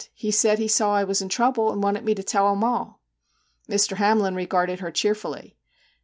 He said he saw I was in trouble, and wanted me to tell him all.' Mr. Hamlin regarded her cheerfully.